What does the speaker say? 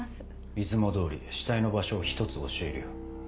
いつも通り死体の場所を１つ教えるよ。